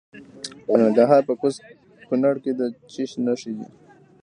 د ننګرهار په کوز کونړ کې د څه شي نښې دي؟